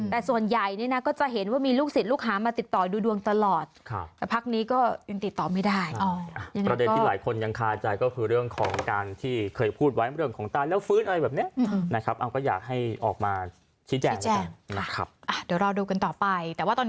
พักนี้ก็ยังติดต่อไม่ได้ประเด็นที่หลายคนยังค่าใจก็คือเรื่องของการที่เคยพูดไว้เรื่องของตายแล้วฟื้นอะไรแบบเนี้ยนะครับเอาก็อยากให้ออกมาชิดแจงนะครับเดี๋ยวรอดูกันต่อไป